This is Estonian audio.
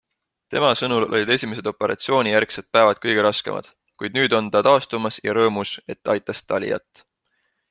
Tema sõnul olid esimesed operatsioonijärgsed päevad kõige raskemad, kuid nüüd on ta taastumas ja rõõmus, et aitas Taliat.